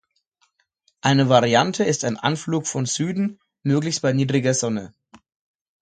Eine Variante ist ein Anflug von Süden, möglichst bei niedriger Sonne.